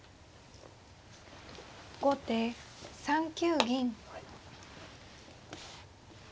後手３九銀。